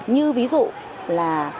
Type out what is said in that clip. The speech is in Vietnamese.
như ví dụ là